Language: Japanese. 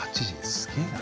すげえな。